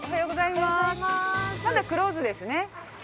まだクローズですね？